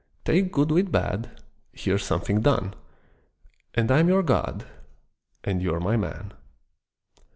Take good with bad here's something done And I'm your God, and you're My man."